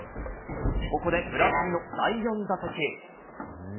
ここで村上の第４打席。